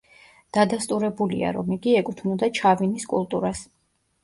დადასტურებულია, რომ იგი ეკუთვნოდა ჩავინის კულტურას.